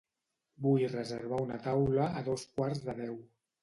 Vull reservar una taula a dos quarts de deu.